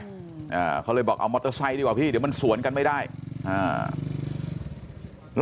อ่าเขาเลยบอกเอามอเตอร์ไซค์ดีกว่าพี่เดี๋ยวมันสวนกันไม่ได้อ่า